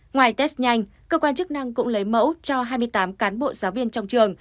ngoài test nhanh cơ quan chức năng cũng lấy mẫu cho hai mươi tám cán bộ giáo viên trong trường